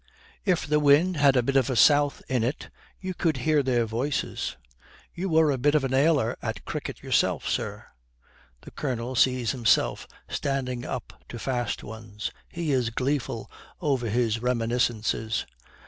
'If the wind had a bit of south in it you could hear their voices. You were a bit of a nailer at cricket yourself, sir.' The Colonel sees himself standing up to fast ones. He is gleeful over his reminiscences.